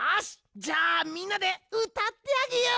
じゃあみんなでうたってあげよう！